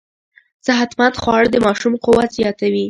صحتمند خواړه د ماشوم قوت زیاتوي.